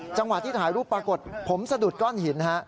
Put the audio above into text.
จังหวะที่ถ่ายรูปปรากฏผมสะดุดก้อนหินฮะ